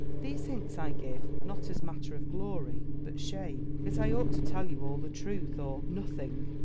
"These hints I give, not as matter of glory, but shame: yet I ought to tell you all the truth, or nothing.